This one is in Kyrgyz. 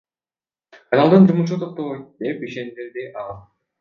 Каналдын жумушу токтобойт, — деп ишендирди ал.